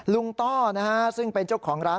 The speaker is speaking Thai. ต้อนะฮะซึ่งเป็นเจ้าของร้าน